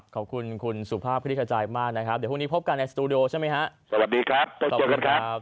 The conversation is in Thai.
ขอบคุณคุณสุภาพรีขจัยมากนะครับเดี๋ยวพบกันในสตูดิโอมี่นะครับ